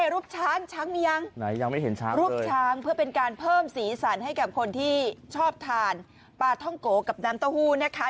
รูปช้างช้างมียังไหนยังไม่เห็นช้างรูปช้างเพื่อเป็นการเพิ่มสีสันให้กับคนที่ชอบทานปลาท่องโกะกับน้ำเต้าหู้นะคะ